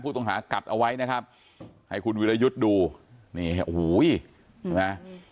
ผู้ตรงหากกัดเอาไว้นะครับให้คุณวิรยุชดูนี่เอาหู้ยเนี่ย